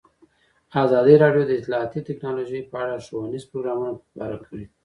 ازادي راډیو د اطلاعاتی تکنالوژي په اړه ښوونیز پروګرامونه خپاره کړي.